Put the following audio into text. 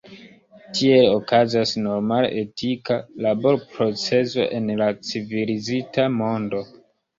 Tiel okazas normala etika laborprocezo en la civilizita mondo.